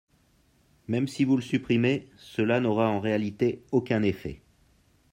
Même si vous le supprimez, cela n’aura en réalité aucun effet.